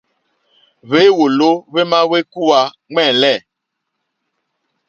Hwěwòló hwémá hwékúwǃá ŋwɛ́ǃɛ́lɛ́.